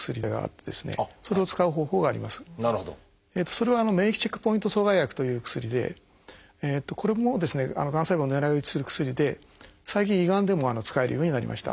それは「免疫チェックポイント阻害薬」という薬でこれもがん細胞を狙い撃ちする薬で最近胃がんでも使えるようになりました。